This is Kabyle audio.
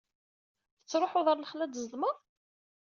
Tettṛuḥuḍ ɣer lexla ad zedmeḍ?